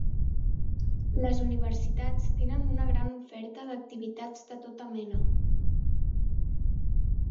Les universitats tenen una gran oferta d'activitats de tota mena.